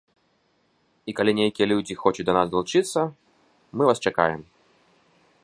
І калі нейкія людзі хочуць да нас далучыцца, мы вас чакаем!